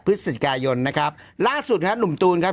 พฤศจิกายนนะครับล่าสุดครับหนุ่มตูนครับ